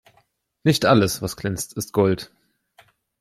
Nicht alles, was glänzt, ist Gold.